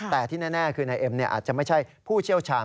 แต่ที่แน่คือนายเอ็มอาจจะไม่ใช่ผู้เชี่ยวชาญ